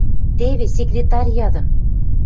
— Теве, секретарь ядын...